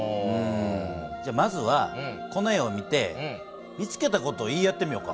まずはこの絵を見て見つけた事を言い合ってみようか。